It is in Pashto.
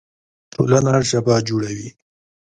ټولنه ژبه جوړوي.